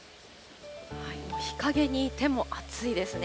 もう日陰にいても暑いですね。